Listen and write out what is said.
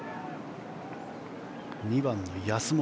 ２番の安森。